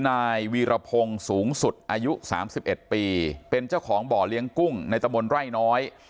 นายวีรพงศ์สูงสุดอายุ๓๑ปีเป็นเจ้าของบ่อเลี้ยงกุ้งในตะมนต์ไร่น้อย